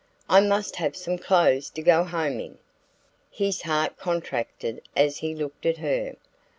I must have some clothes to go home in." His heart contracted as he looked at her.